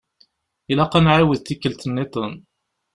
Ilaq ad nɛiwed tikelt-nniḍen.